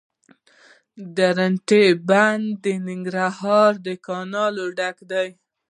د درونټې بند د ننګرهار کانالونه ډکوي